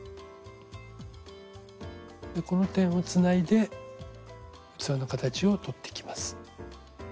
この点をつないで器の形を取っていきます。